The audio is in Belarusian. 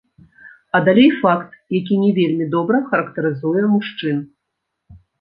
А далей факт, які не вельмі добра характарызуе мужчын.